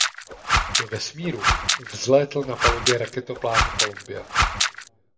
Do vesmíru vzlétl na palubě raketoplánu Columbia.